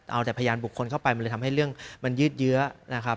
เอาแต่พยานบุคคลเข้าไปมันเลยทำให้เรื่องมันยืดเยื้อนะครับ